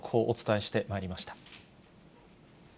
お伝えしてまいりました。